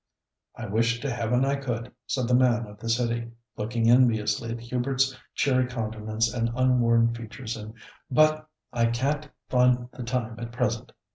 "I wish to heaven I could," said the man of the city, looking enviously at Hubert's cheery countenance and unworn features; "but I can't find the time at present.